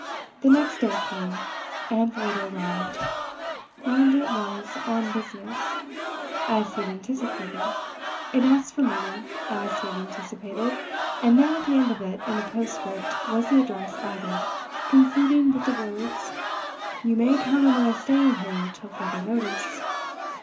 The next day came, and the letter arrived! It was on business, as he had anticipated; it asked for money, as he had anticipated; and there, at the end of it, in a postscript, was the address added, concluding with the words, "You may count on my staying here till further notice."